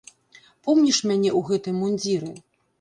Помніш мяне ў гэтым мундзіры?